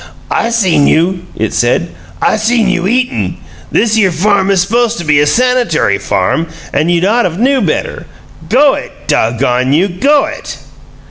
"I seen you!" it said. "I seen you eatin'! This here farm is supposed to be a sanitary farm, and you'd ought of knew better. Go it, doggone you! Go it!"